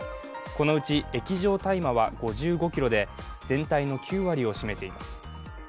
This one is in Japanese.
このうち、液状大麻は５５ｋｇで、全体の９割を占めています。